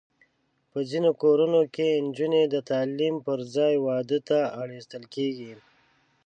په ځینو کورنیو کې نجونې د تعلیم پر ځای واده ته اړ ایستل کېږي.